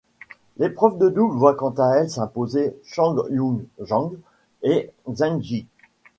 L'épreuve de double voit quant à elle s'imposer Chan Yung-Jan et Zheng Jie.